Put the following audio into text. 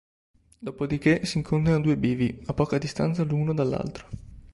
Dopodiché, si incontrano due bivi, a poca distanza l'uno dall'altro.